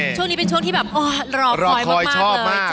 ช่วงนี้เป็นช่วงที่รอคอยมาก